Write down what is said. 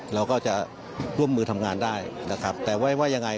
เราก็จะร่วมมือทำงานได้นะครับแต่ไว้ว่ายังไง